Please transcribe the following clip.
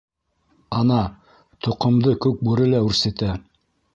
Ана, тоҡомдо күк бүре лә үрсетә!